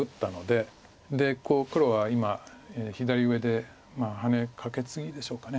で黒は今左上でハネカケツギでしょうか。